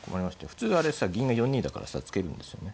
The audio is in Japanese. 普通あれさ銀が４二だからさ突けるんですよね。